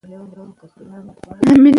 د ښوونځي زده کړې په خلکو کې باور زیاتوي.